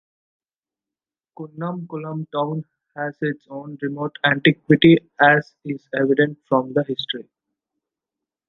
Kunnamkulam town has its own remote antiquity as is evident from the history.